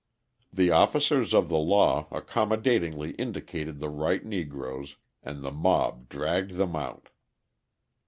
The officers of the law accommodatingly indicated the right Negroes, and the mob dragged them out.